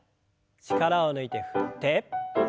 力を抜いて振って。